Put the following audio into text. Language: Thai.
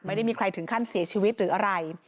ไม่ได้มีใครถึงขั้นเสียชีวิตหรืออะไร